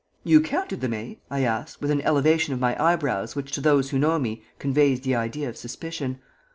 "You counted them, eh?" I asked, with an elevation of my eyebrows which to those who know me conveys the idea of suspicion.